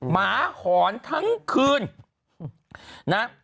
หมาหอนทั้งคืนนะ